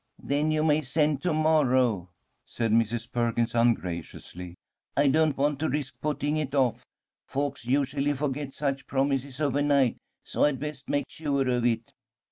"Then you may send to morrow," said Mrs. Perkins, ungraciously. "I don't want to risk putting it off. Folks usually forget such promises overnight. So I'd best make sure of it."